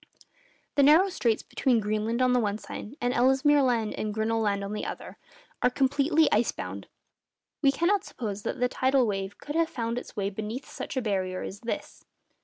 The narrow straits between Greenland on the one side, and Ellesmere Land and Grinnell Land on the other, are completely ice bound. We cannot suppose that the tidal wave could have found its way beneath such a barrier as this.